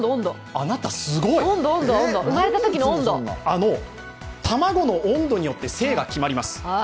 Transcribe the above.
あなたすごい！卵の温度によって性が決まります。